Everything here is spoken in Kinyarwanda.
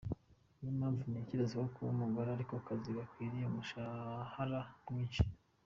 niyo mpamvu ntekerezako kuba umugore ariko kazi gakwiriye umushahara mwinshi.